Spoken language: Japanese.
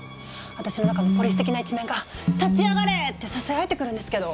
私の中のポリス的な一面が「立ち上がれ！」ってささやいてくるんですけど。